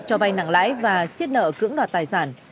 cho vay nặng lãi và xiết nợ cưỡng đoạt tài sản